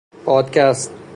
پادکست